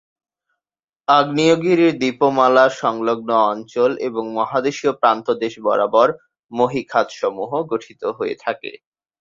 আগ্নেয়গিরি দ্বীপমালা সংলগ্ন অঞ্চল এবং মহাদেশীয় প্রান্তদেশ বরাবর মহীখাতসমূহ গঠিত হয়ে থাকে।